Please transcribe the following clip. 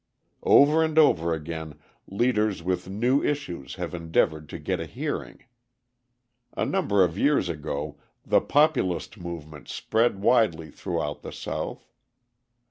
Over and over again leaders with new issues have endeavoured to get a hearing. A number of years ago the Populist movement spread widely throughout the South.